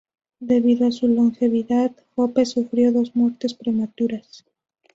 Debido a su longevidad, Hope sufrió dos "muertes prematuras".